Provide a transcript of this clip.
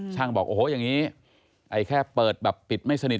ชั่งบอกเอออย่างนี้ไอแค่เปิดปิดไม่สนิท